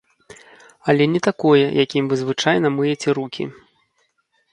Але не такое, якім вы звычайна мыеце рукі.